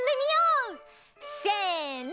せの。